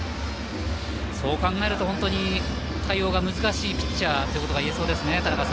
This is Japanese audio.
そう考えると本当に対応が難しいピッチャーということがいえそうですね。